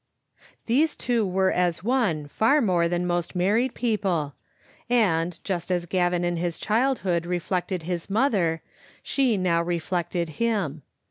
These two were as one fair more than most married people, and, just as Gavin in his childhood reflected his mother, she now reflected him.